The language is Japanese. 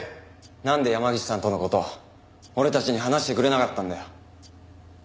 なんで山岸さんとの事俺たちに話してくれなかったんだよ。